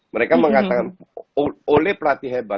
mereka mengatakan oleh pelatih hebat